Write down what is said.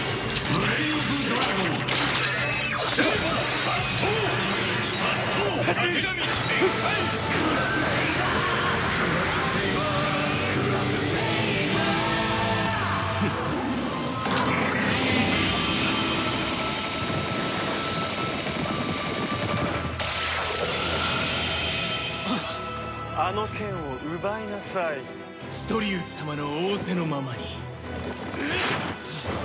ストリウス様の仰せのままに。